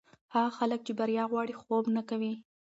هغه خلک چې بریا غواړي، خوب نه کوي.